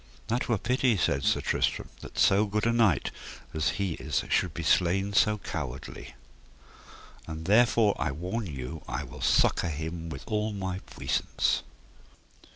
That were pity, said Sir Tristram, that so good a knight as he is should be slain so cowardly; and therefore I warn you I will succour him with all my puissance.